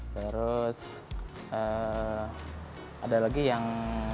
terus ada lagi yang